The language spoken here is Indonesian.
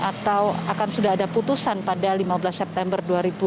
atau akan sudah ada putusan pada lima belas september dua ribu dua puluh